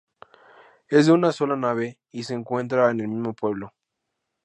Es de una sola nave y se encuentra en el mismo pueblo.